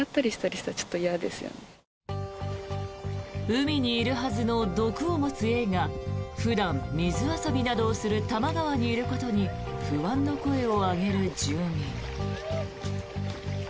海にいるはずの毒を持つエイが普段、水遊びなどをする多摩川にいることに不安の声を上げる住民。